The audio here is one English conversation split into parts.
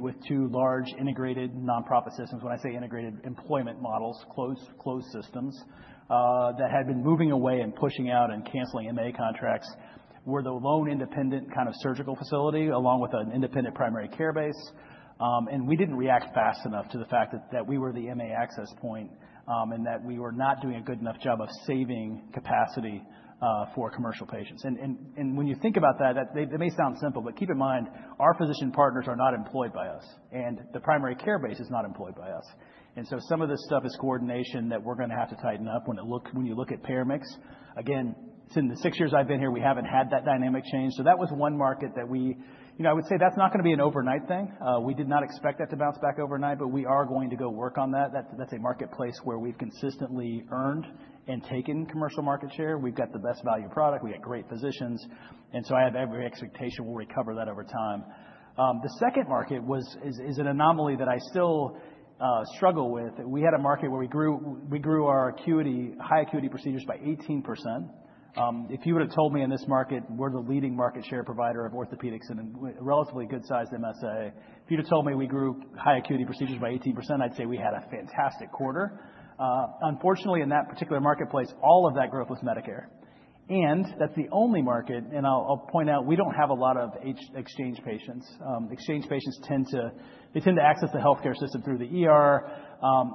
With two large integrated nonprofit systems. When I say integrated, employment models, closed flow systems, that had been moving away and pushing out and canceling MA contracts. We're the lone independent kind of surgical facility along with an independent primary care base. We didn't react fast enough to the fact that we were the MA access point, and that we were not doing a good enough job of saving capacity for commercial patients. When you think about that, it may sound simple, but keep in mind our physician partners are not employed by us, and the primary care base is not employed by us. Some of this stuff is coordination that we're gonna have to tighten up when you look at payer mix. Again, in the six years I've been here, we haven't had that dynamic change. That was one market that we, you know, I would say that's not gonna be an overnight thing. We did not expect that to bounce back overnight, but we are going to go work on that. That's a marketplace where we've consistently earned and taken commercial market share. We've got the best value product. We got great physicians. I have every expectation we'll recover that over time. The second market is an anomaly that I still struggle with. We had a market where we grew our acuity, high acuity procedures by 18%. If you would have told me in this market we're the leading market share provider of orthopedics in a relatively good-sized MSA. If you'd have told me we grew high acuity procedures by 18%, I'd say we had a fantastic quarter. Unfortunately, in that particular marketplace, all of that growth was Medicare. That's the only market, and I'll point out, we don't have a lot of HIX exchange patients. Exchange patients tend to access the healthcare system through the ER,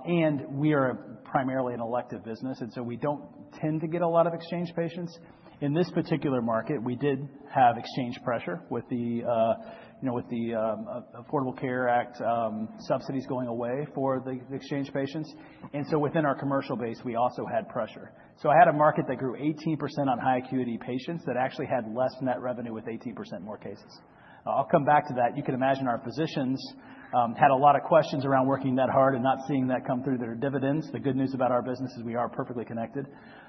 and we are primarily an elective business, and so we don't tend to get a lot of exchange patients. In this particular market, we did have exchange pressure with, you know, the Affordable Care Act subsidies going away for the exchange patients. Within our commercial base, we also had pressure. I had a market that grew 18% on high acuity patients that actually had less net revenue with 18% more cases. I'll come back to that. You can imagine our physicians had a lot of questions around working that hard and not seeing that come through their dividends. The good news about our business is we are perfectly connected.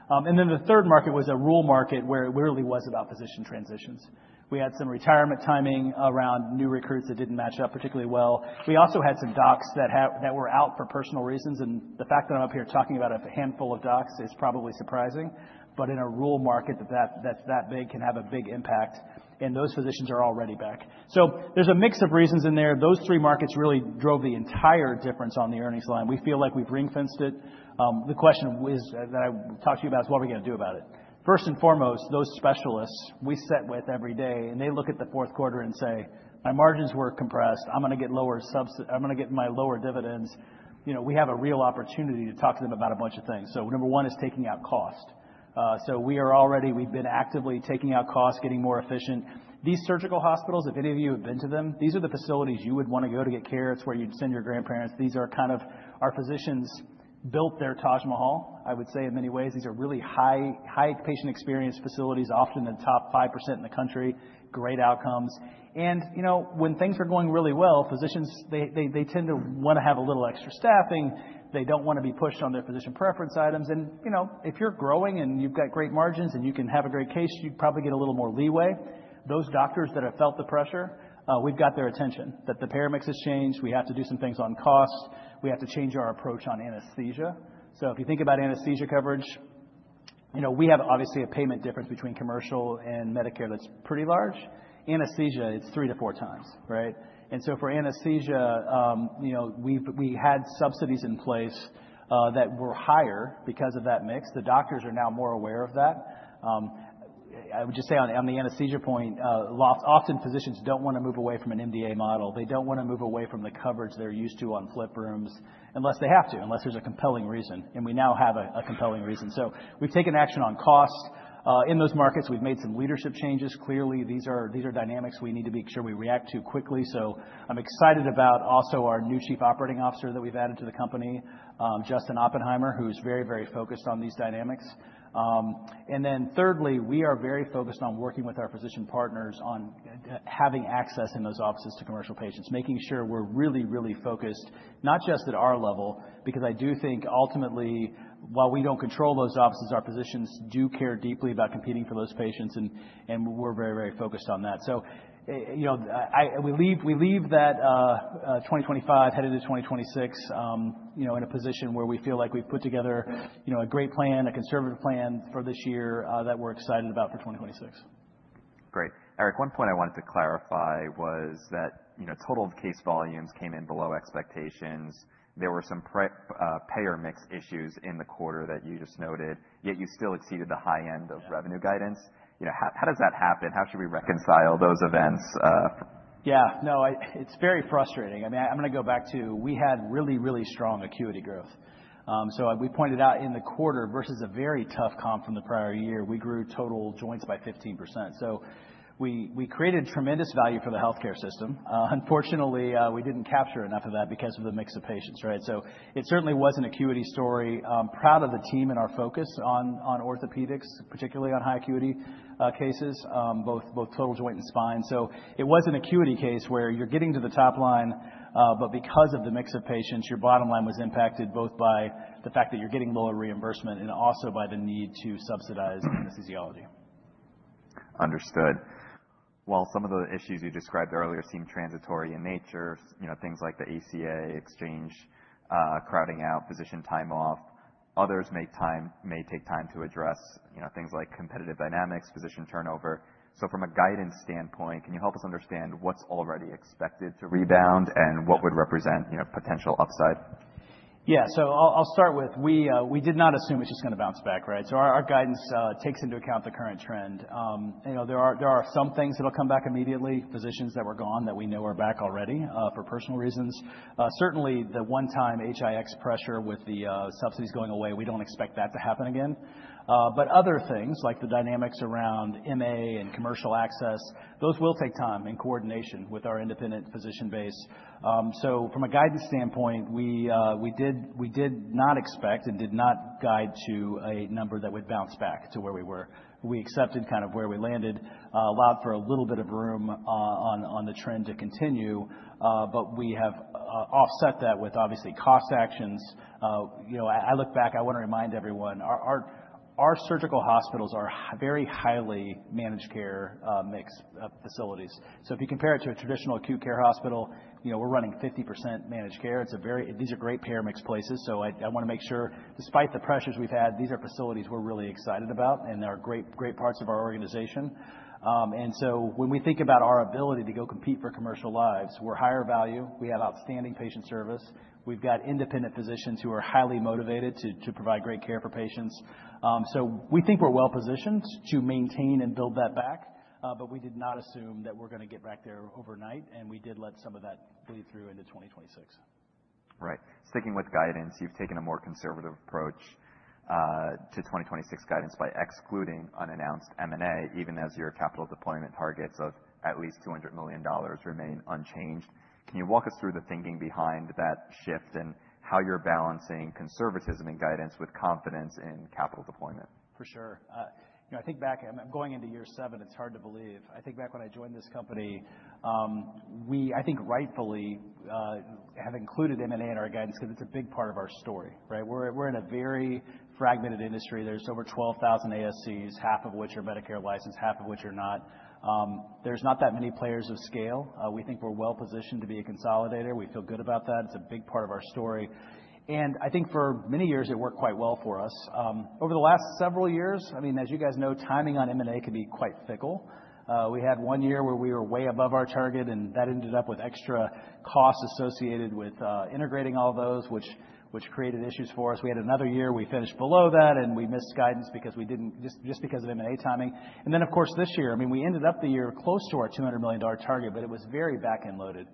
The third market was a rural market where it really was about physician transitions. We had some retirement timing around new recruits that didn't match up particularly well. We also had some docs that were out for personal reasons. The fact that I'm up here talking about a handful of docs is probably surprising. In a rural market that big can have a big impact, and those physicians are already back. There's a mix of reasons in there. Those three markets really drove the entire difference on the earnings line. We feel like we've ring-fenced it. The question was, that I talked to you about, is what are we gonna do about it? First and foremost, those specialists we sit with every day, and they look at the Q4 and say, "My margins were compressed. I'm gonna get my lower dividends." You know, we have a real opportunity to talk to them about a bunch of things. Number one is taking out cost. We are already, we've been actively taking out costs, getting more efficient. These surgical hospitals, if any of you have been to them, these are the facilities you would wanna go to get care. It's where you'd send your grandparents. These are kind of our physicians built their Taj Mahal. I would say in many ways, these are really high patient experience facilities, often the top 5% in the country, great outcomes. You know, when things are going really well, physicians, they tend to wanna have a little extra staffing. They don't wanna be pushed on their physician preference items. You know, if you're growing and you've got great margins and you can have a great case, you probably get a little more leeway. Those doctors that have felt the pressure, we've got their attention. The payer mix has changed. We have to do some things on cost. We have to change our approach on anesthesia. If you think about anesthesia coverage, you know, we have obviously a payment difference between commercial and Medicare that's pretty large. Anesthesia, it's three to four times, right? For anesthesia, you know, we had subsidies in place that were higher because of that mix. The doctors are now more aware of that. I would just say on the anesthesia point, often physicians don't wanna move away from an MD model. They don't wanna move away from the coverage they're used to on flip rooms unless they have to, unless there's a compelling reason. We now have a compelling reason. We've taken action on cost in those markets. We've made some leadership changes. Clearly, these are dynamics we need to make sure we react to quickly. I'm excited about also our new Chief Operating Officer that we've added to the company, Justin Oppenheimer, who's very focused on these dynamics. Thirdly, we are very focused on working with our physician partners on having access in those offices to commercial patients, making sure we're really, really focused, not just at our level, because I do think ultimately, while we don't control those offices, our physicians do care deeply about competing for those patients, and we're very, very focused on that. You know, we leave that 2025 headed to 2026, you know, in a position where we feel like we've put together, you know, a great plan, a conservative plan for this year that we're excited about for 2026. Great. Eric, one point I wanted to clarify was that, you know, total case volumes came in below expectations. There were some payer mix issues in the quarter that you just noted, yet you still exceeded the high end of revenue guidance. You know, how does that happen? How should we reconcile those events? Yeah. No, it's very frustrating. I mean, I'm gonna go back to we had really strong acuity growth. We pointed out in the quarter versus a very tough comp from the prior year, we grew total joints by 15%. We created tremendous value for the healthcare system. Unfortunately, we didn't capture enough of that because of the mix of patients, right? It certainly was an acuity story. I'm proud of the team and our focus on orthopedics, particularly on high acuity cases, both total joint and spine. It was an acuity case where you're getting to the top line, but because of the mix of patients, your bottom line was impacted both by the fact that you're getting lower reimbursement and also by the need to subsidize anesthesiology. Understood. While some of the issues you described earlier seem transitory in nature, you know, things like the ACA exchange, crowding out physician time off. Others may take time to address, you know, things like competitive dynamics, physician turnover. From a guidance standpoint, can you help us understand what's already expected to rebound and what would represent, you know, potential upside? Yeah. I'll start with we did not assume it's just gonna bounce back, right? Our guidance takes into account the current trend. You know, there are some things that'll come back immediately, physicians that were gone that we know are back already, for personal reasons. Certainly the one-time HIX pressure with the subsidies going away, we don't expect that to happen again. Other things, like the dynamics around MA and commercial access, those will take time in coordination with our independent physician base. From a guidance standpoint, we did not expect and did not guide to a number that would bounce back to where we were. We accepted kind of where we landed, allowed for a little bit of room on the trend to continue, but we have offset that with obviously cost actions. You know, I look back. I wanna remind everyone, our surgical hospitals are very highly managed care mix of facilities. So if you compare it to a traditional acute care hospital, you know, we're running 50% managed care. These are great payer mix places, so I wanna make sure despite the pressures we've had, these are facilities we're really excited about, and they're great parts of our organization. When we think about our ability to go compete for commercial lives, we're higher value, we have outstanding patient service. We've got independent physicians who are highly motivated to provide great care for patients. We think we're well-positioned to maintain and build that back, but we did not assume that we're gonna get back there overnight, and we did let some of that bleed through into 2026. Right. Sticking with guidance, you've taken a more conservative approach to 2026 guidance by excluding unannounced M&A, even as your capital deployment targets of at least $200 million remain unchanged. Can you walk us through the thinking behind that shift and how you're balancing conservatism in guidance with confidence in capital deployment? For sure. You know, I think back, I'm going into year seven, it's hard to believe. I think back when I joined this company, we I think rightfully have included M&A in our guidance 'cause it's a big part of our story, right? We're in a very fragmented industry. There's over 12,000 ASCs, half of which are Medicare licensed, half of which are not. There's not that many players of scale. We think we're well-positioned to be a consolidator. We feel good about that. It's a big part of our story. I think for many years, it worked quite well for us. Over the last several years, I mean, as you guys know, timing on M&A can be quite fickle. We had one year where we were way above our target, and that ended up with extra costs associated with integrating all those, which created issues for us. We had another year we finished below that, and we missed guidance just because of M&A timing. Then, of course, this year, I mean, we ended up the year close to our $200 million target, but it was very back-end loaded.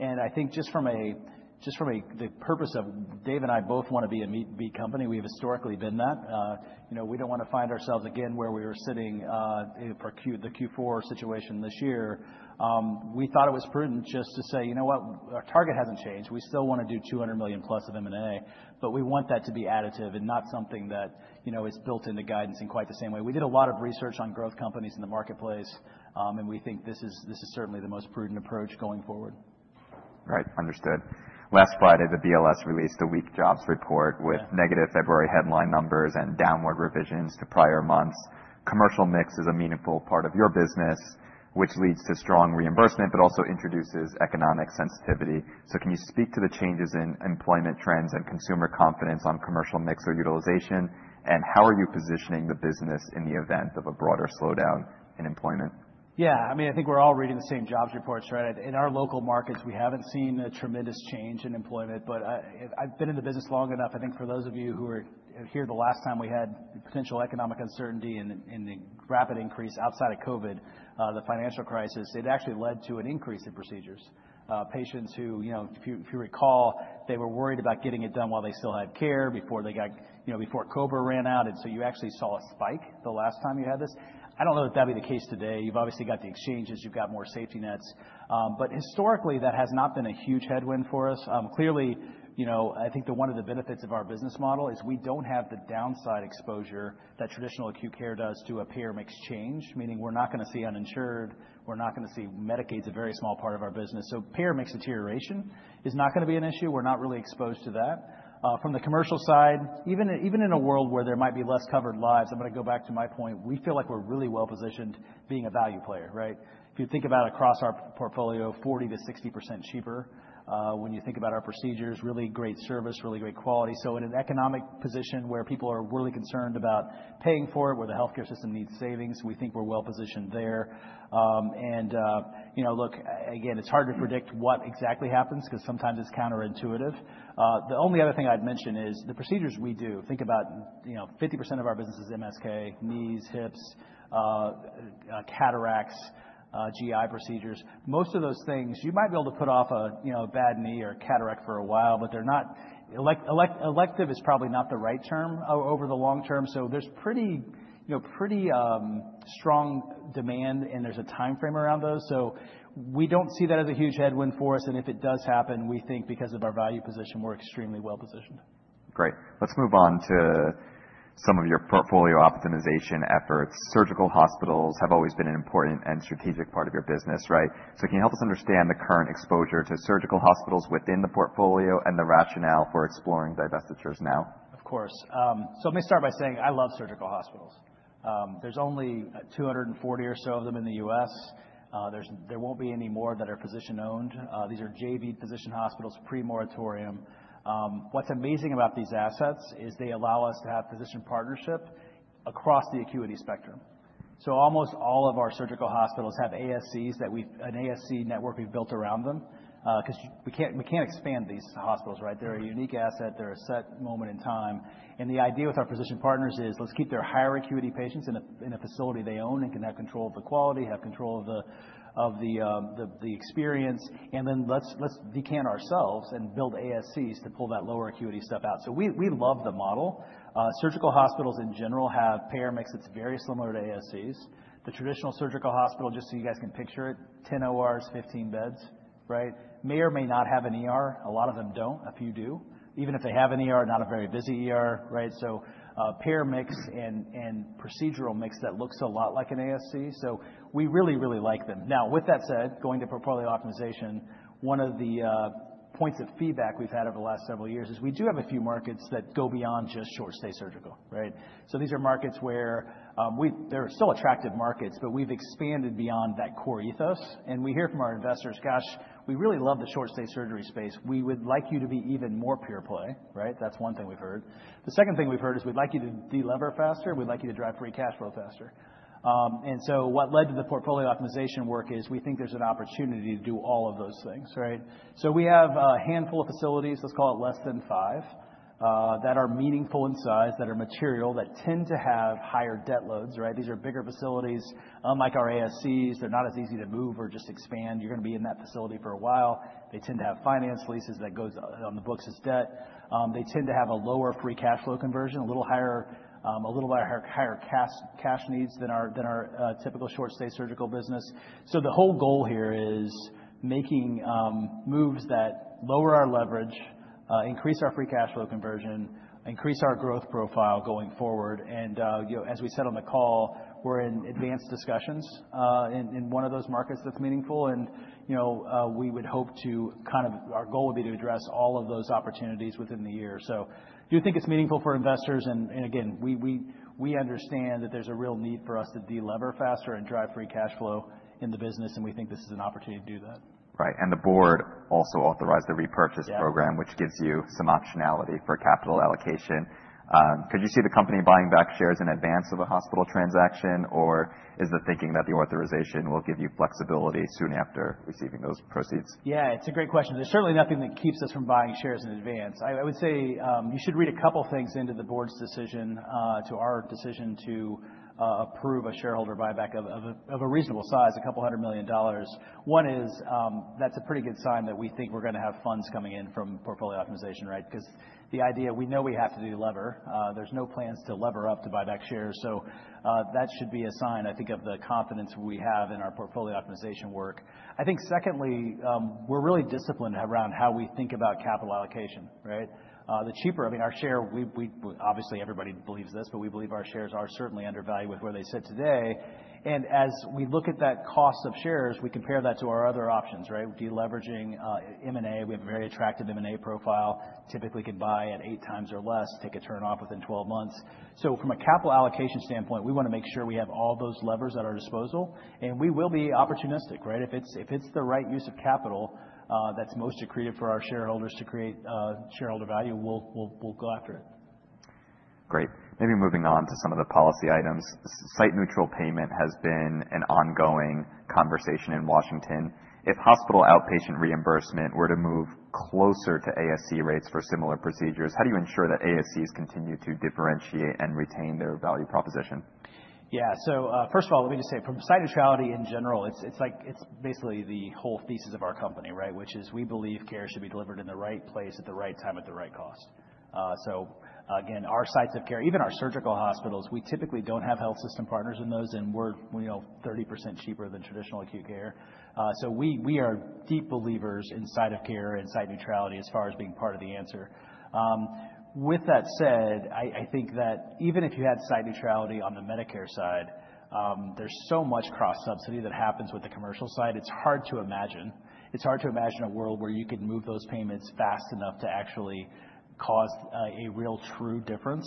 I think just from a, the purpose of Dave and I both wanna be a meet-and-beat company, we have historically been that. You know, we don't wanna find ourselves again where we were sitting for the Q4 situation this year. We thought it was prudent just to say, "You know what? Our target hasn't changed. We still wanna do $200 million+ of M&A, but we want that to be additive and not something that, you know, is built into guidance in quite the same way." We did a lot of research on growth companies in the marketplace, and we think this is certainly the most prudent approach going forward. Right. Understood. Last Friday, the BLS released the weak jobs report with negative February headline numbers and downward revisions to prior months. Commercial mix is a meaningful part of your business, which leads to strong reimbursement, but also introduces economic sensitivity. Can you speak to the changes in employment trends and consumer confidence on commercial mix or utilization? How are you positioning the business in the event of a broader slowdown in employment? Yeah. I mean, I think we're all reading the same jobs reports, right? In our local markets, we haven't seen a tremendous change in employment. I've been in the business long enough. I think for those of you who were here the last time we had potential economic uncertainty in the rapid increase outside of COVID, the financial crisis, it actually led to an increase in procedures. Patients who, you know, if you recall, they were worried about getting it done while they still had care before they got, you know, before COBRA ran out. You actually saw a spike the last time you had this. I don't know if that'll be the case today. You've obviously got the exchanges, you've got more safety nets. Historically, that has not been a huge headwind for us. Clearly, you know, I think that one of the benefits of our business model is we don't have the downside exposure that traditional acute care does to a payer mix change, meaning we're not gonna see uninsured, we're not gonna see Medicaid's a very small part of our business. Payer mix deterioration is not gonna be an issue. We're not really exposed to that. From the commercial side, even in a world where there might be less covered lives, I'm gonna go back to my point, we feel like we're really well-positioned being a value player, right? If you think about across our portfolio, 40%-60% cheaper, when you think about our procedures, really great service, really great quality. In an economic position where people are really concerned about paying for it, where the healthcare system needs savings, we think we're well-positioned there. You know, look, again, it's hard to predict what exactly happens 'cause sometimes it's counterintuitive. The only other thing I'd mention is the procedures we do, think about, you know, 50% of our business is MSK, knees, hips, cataracts, GI procedures. Most of those things, you might be able to put off, you know, a bad knee or a cataract for a while, but they're not elective is probably not the right term over the long term. There's pretty, you know, pretty strong demand, and there's a timeframe around those. We don't see that as a huge headwind for us, and if it does happen, we think because of our value position, we're extremely well-positioned. Great. Let's move on to some of your portfolio optimization efforts. Surgical hospitals have always been an important and strategic part of your business, right? Can you help us understand the current exposure to surgical hospitals within the portfolio and the rationale for exploring divestitures now? Of course. Let me start by saying I love surgical hospitals. There are only 240 or so of them in the U.S. There won't be any more that are physician-owned. These are JV physician hospitals pre-moratorium. What's amazing about these assets is they allow us to have physician partnership across the acuity spectrum. Almost all of our surgical hospitals have ASCs, an ASC network we've built around them, 'cause we can't expand these hospitals, right? They're a unique asset. They're a set moment in time. The idea with our physician partners is let's keep their higher acuity patients in a facility they own and can have control of the quality, have control of the experience, and then let's decant ourselves and build ASCs to pull that lower acuity stuff out. We love the model. Surgical hospitals in general have payer mix that's very similar to ASCs. The traditional surgical hospital, just so you guys can picture it, 10 ORs, 15 beds, right? May or may not have an ER. A lot of them don't. A few do. Even if they have an ER, not a very busy ER, right? Payer mix and procedural mix that looks a lot like an ASC. We really like them. Now, with that said, going to portfolio optimization, one of the points of feedback we've had over the last several years is we do have a few markets that go beyond just short-stay surgical, right? These are markets where they're still attractive markets, but we've expanded beyond that core ethos. We hear from our investors, "Gosh, we really love the short-stay surgery space. We would like you to be even more pure-play," right? That's one thing we've heard. The second thing we've heard is, "We'd like you to de-lever faster. We'd like you to drive free cash flow faster." What led to the portfolio optimization work is we think there's an opportunity to do all of those things, right? We have a handful of facilities, let's call it less than five, that are meaningful in size, that are material, that tend to have higher debt loads, right? These are bigger facilities. Unlike our ASCs, they're not as easy to move or just expand. You're gonna be in that facility for a while. They tend to have finance leases that goes on the books as debt. They tend to have a lower free cash flow conversion, a little higher, a little bit higher cash needs than our typical short-stay surgical business. The whole goal here is making moves that lower our leverage, increase our free cash flow conversion, increase our growth profile going forward. You know, as we said on the call, we're in advanced discussions in one of those markets that's meaningful. You know, our goal would be to address all of those opportunities within the year. We do think it's meaningful for investors. Again, we understand that there's a real need for us to de-lever faster and drive free cash flow in the business, and we think this is an opportunity to do that. Right. The board also authorized a repurchase program. Yeah. which gives you some optionality for capital allocation. Could you see the company buying back shares in advance of a hospital transaction, or is the thinking that the authorization will give you flexibility soon after receiving those proceeds? Yeah, it's a great question. There's certainly nothing that keeps us from buying shares in advance. I would say you should read a couple things into the board's decision to approve a shareholder buyback of a reasonable size, $200 million. One is, that's a pretty good sign that we think we're gonna have funds coming in from portfolio optimization, right? Because the idea, we know we have to de-lever. There's no plans to lever up to buy back shares. That should be a sign, I think, of the confidence we have in our portfolio optimization work. I think secondly, we're really disciplined around how we think about capital allocation, right? I mean, obviously everybody believes this, but we believe our shares are certainly undervalued with where they sit today. As we look at that cost of shares, we compare that to our other options, right? Deleveraging, M&A. We have a very attractive M&A profile. Typically can buy at 8x or less, take a turn off within 12 months. From a capital allocation standpoint, we wanna make sure we have all those levers at our disposal, and we will be opportunistic, right? If it's the right use of capital, that's most accretive for our shareholders to create shareholder value, we'll go after it. Great. Maybe moving on to some of the policy items. Site neutral payment has been an ongoing conversation in Washington. If hospital outpatient reimbursement were to move closer to ASC rates for similar procedures, how do you ensure that ASCs continue to differentiate and retain their value proposition? Yeah. First of all, let me just say from site neutrality in general, it's like, it's basically the whole thesis of our company, right? Which is we believe care should be delivered in the right place at the right time at the right cost. Again, our sites of care, even our surgical hospitals, we typically don't have health system partners in those, and we're, you know, 30% cheaper than traditional acute care. We are deep believers in site of care and site neutrality as far as being part of the answer. With that said, I think that even if you had site neutrality on the Medicare side, there's so much cross-subsidy that happens with the commercial side, it's hard to imagine. It's hard to imagine a world where you could move those payments fast enough to actually cause a real true difference.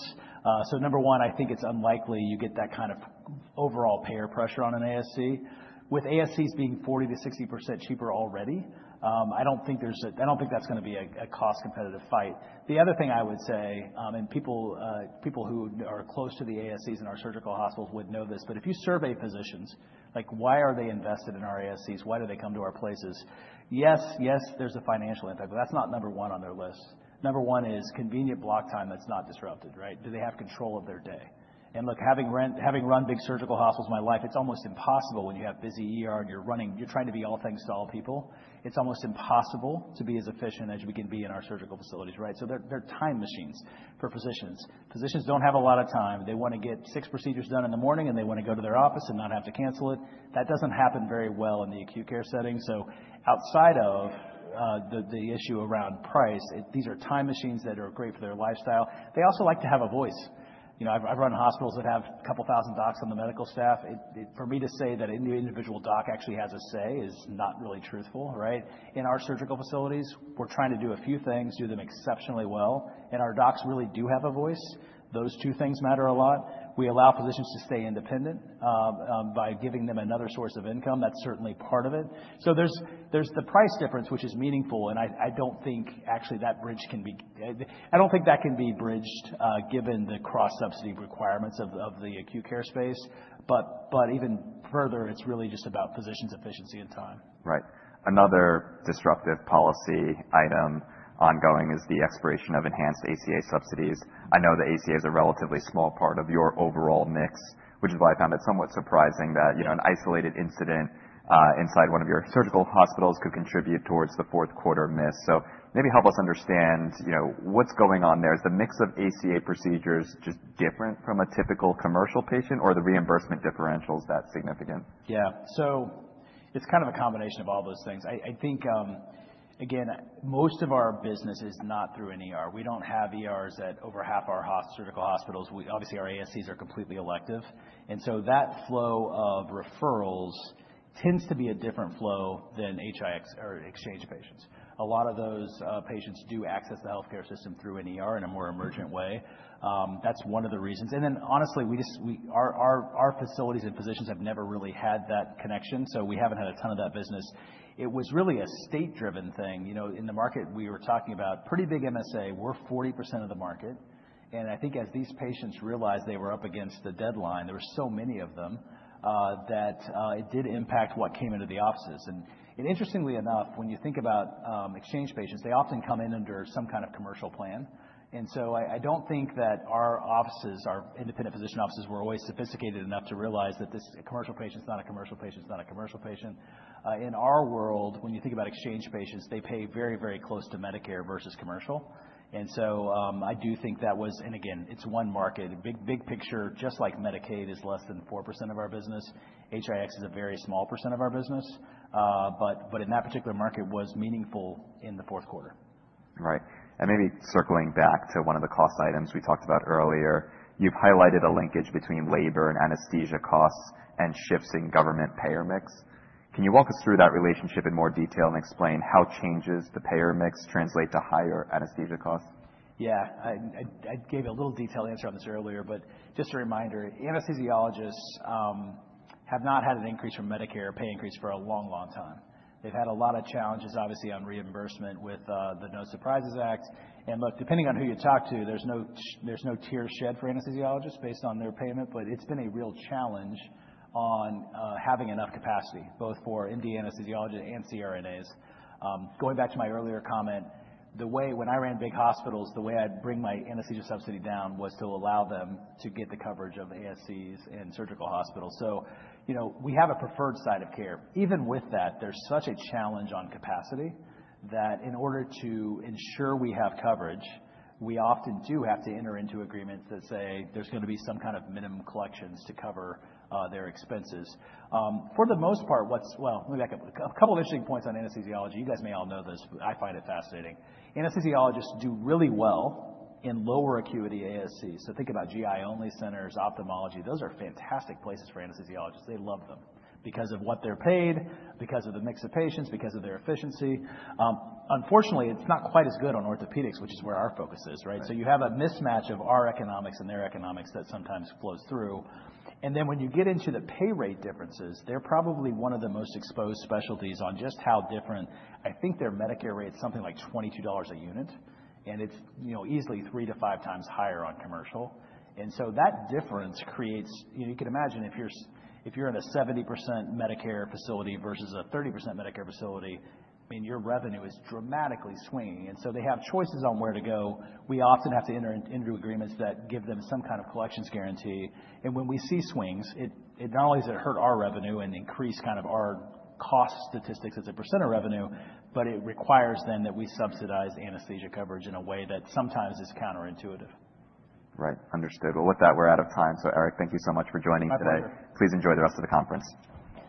Number one, I think it's unlikely you get that kind of overall payer pressure on an ASC. With ASCs being 40%-60% cheaper already, I don't think that's gonna be a cost competitive fight. The other thing I would say, people who are close to the ASCs and our surgical hospitals would know this, but if you survey physicians, like why are they invested in our ASCs? Why do they come to our places? Yes, there's the financial impact, but that's not number one on their list. Number one is convenient block time that's not disrupted, right? Do they have control of their day? Look, having run big surgical hospitals my life, it's almost impossible when you have busy ER and you're trying to be all things to all people. It's almost impossible to be as efficient as we can be in our surgical facilities, right? They're time machines for physicians. Physicians don't have a lot of time. They wanna get six procedures done in the morning, and they wanna go to their office and not have to cancel it. That doesn't happen very well in the acute care setting. Outside of the issue around price, these are time machines that are great for their lifestyle. They also like to have a voice. You know, I've run hospitals that have a couple thousand docs from the medical staff. For me to say that any individual doc actually has a say is not really truthful, right? In our surgical facilities, we're trying to do a few things, do them exceptionally well, and our docs really do have a voice. Those two things matter a lot. We allow physicians to stay independent by giving them another source of income. That's certainly part of it. There's the price difference, which is meaningful, and I don't think actually that bridge can be bridged given the cross-subsidy requirements of the acute care space. Even further, it's really just about physicians' efficiency and time. Right. Another disruptive policy item ongoing is the expiration of enhanced ACA subsidies. I know the ACA is a relatively small part of your overall mix, which is why I found it somewhat surprising that, you know, an isolated incident inside one of your surgical hospitals could contribute towards the Q4 miss. Maybe help us understand, you know, what's going on there. Is the mix of ACA procedures just different from a typical commercial patient, or are the reimbursement differentials that significant? Yeah. It's kind of a combination of all those things. I think, again, most of our business is not through an ER. We don't have ERs at over half our surgical hospitals. Obviously, our ASCs are completely elective. That flow of referrals tends to be a different flow than HIX or exchange patients. A lot of those patients do access the healthcare system through an ER in a more emergent way. That's one of the reasons. Honestly, we just, our facilities and physicians have never really had that connection, so we haven't had a ton of that business. It was really a state-driven thing. You know, in the market we were talking about, pretty big MSA, we're 40% of the market. I think as these patients realized they were up against the deadline, there were so many of them, that it did impact what came into the offices. Interestingly enough, when you think about exchange patients, they often come in under some kind of commercial plan. I don't think that our offices, our independent physician offices, were always sophisticated enough to realize that this commercial patient's not a commercial patient, is not a commercial patient. In our world, when you think about exchange patients, they pay very, very close to Medicare versus commercial. I do think that was. Again, it's one market. Big picture, just like Medicaid is less than 4% of our business. HIX is a very small % of our business, but in that particular market was meaningful in the Q4. Right. Maybe circling back to one of the cost items we talked about earlier, you've highlighted a linkage between labor and anesthesia costs and shifts in government payer mix. Can you walk us through that relationship in more detail and explain how changes to payer mix translate to higher anesthesia costs? Yeah. I gave a little detailed answer on this earlier, but just a reminder, anesthesiologists have not had an increase from Medicare pay increase for a long, long time. They've had a lot of challenges, obviously, on reimbursement with the No Surprises Act. Look, depending on who you talk to, there's no tears shed for anesthesiologists based on their payment, but it's been a real challenge on having enough capacity, both for the anesthesiologist and CRNAs. Going back to my earlier comment, when I ran big hospitals, the way I'd bring my anesthesia subsidy down was to allow them to get the coverage of ASCs and surgical hospitals. You know, we have a preferred side of care. Even with that, there's such a challenge on capacity that in order to ensure we have coverage, we often do have to enter into agreements that say there's gonna be some kind of minimum collections to cover their expenses. For the most part, a couple interesting points on anesthesiology. You guys may all know this, but I find it fascinating. Anesthesiologists do really well in lower acuity ASC. So think about GI-only centers, ophthalmology. Those are fantastic places for anesthesiologists. They love them because of what they're paid, because of the mix of patients, because of their efficiency. Unfortunately, it's not quite as good on orthopedics, which is where our focus is, right? So you have a mismatch of our economics and their economics that sometimes flows through. When you get into the pay rate differences, they're probably one of the most exposed specialties on just how different. I think their Medicare rate is something like $22 a unit, and it's, you know, easily three to five times higher on commercial. That difference creates. You know, you can imagine if you're in a 70% Medicare facility versus a 30% Medicare facility, I mean, your revenue is dramatically swinging. They have choices on where to go. We often have to enter into agreements that give them some kind of collections guarantee. When we see swings, it not only does it hurt our revenue and increase kind of our cost statistics as a % of revenue, but it requires then that we subsidize anesthesia coverage in a way that sometimes is counterintuitive. Right. Understood. Well, with that, we're out of time. Eric, thank you so much for joining today. My pleasure. Please enjoy the rest of the conference. Good to see you. Great. Thank you. Appreciate the time.